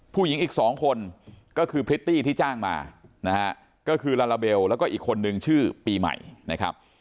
ผู้หญิงอีกสองคนก็คือพริตตี้ที่จ้างมานะฮะก็คือลาลาเบลแล้วก็อีกคนนึงชื่อปีใหม่นะครับ